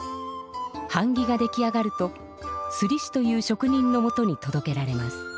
はん木が出来上がるとすりしというしょく人のもとにとどけられます。